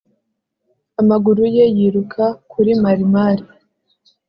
Amaguru ye yiruka kuri marimari